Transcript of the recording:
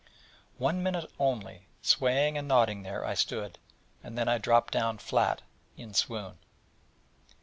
One minute only, swaying and nodding there, I stood: and then I dropped down flat in swoon.